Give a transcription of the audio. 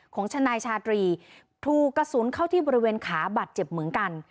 ของนายชาตรีถูกกระสุนเข้าที่บริเวณขาบัตรเจ็บเหมือนกัน